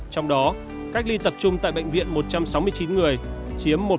trong đó cách ly tập trung tại bệnh viện một trăm sáu mươi chín người chiếm một